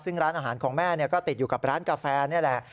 ซึ่งร้านอาหารของแม่ก็ติดอยู่กับร้านกาแฟนี่แหละ